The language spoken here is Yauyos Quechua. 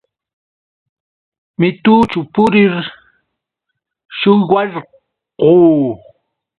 Mitućhu purir shullwarquu.